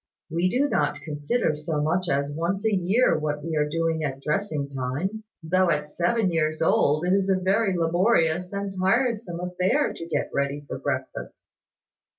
We do not consider so much as once a year what we are doing at dressing time, though at seven years old it is a very laborious and tiresome affair to get ready for breakfast."